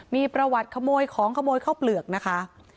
มีประวัติข้อมวยของเขาเปลือกนะคะ